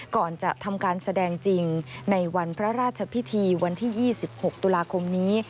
ก่อนจะทำการแสดงจริงในวันพระราชพิธีวันที่๒๖ตุลาคมนี้